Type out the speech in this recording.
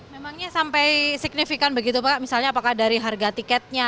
memangnya sampai signifikan begitu pak misalnya apakah dari harga tiketnya